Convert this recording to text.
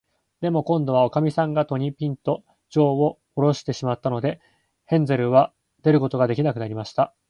でも、こんどは、おかみさんが戸に、ぴんと、じょうをおろしてしまったので、ヘンゼルは出ることができなくなりました。